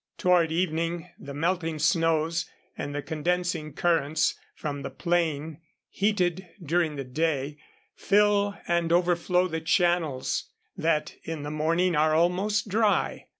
Toward evening the melting snows, and the condensing currents from the plain heated during the day, fill and overflow the channels that in the morning are almost dry.